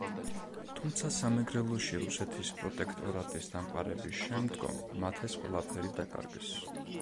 თუმცა სამეგრელოში რუსეთის პროტექტორატის დამყარების შემდგომ მათ ეს ყველაფერი დაკარგეს.